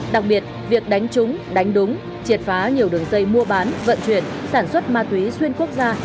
đặc biệt việc đánh trúng đánh đúng triệt phá nhiều đường dây mua bán vận chuyển sản xuất ma túy xuyên quốc gia